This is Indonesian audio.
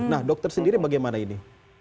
nah dokter sendiri bagaimana ini